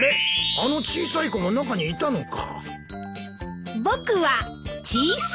あの小さい子が中にいたのか。